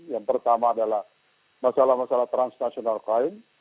yang pertama adalah masalah masalah transnational crime